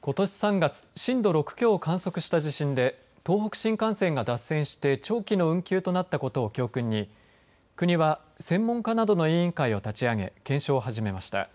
ことし３月、震度６強を観測した地震で東北新幹線が脱線して長期の運休となったことを教訓に国は専門家などの委員会を立ち上げ検証を始めました。